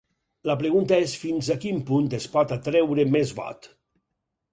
La pregunta és fins a quin punt es pot atreure més vot.